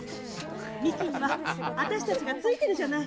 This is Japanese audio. みきには私たちがついてるじゃない。